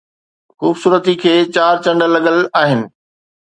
خوبصورتي کي چار چنڊ لڳل آهن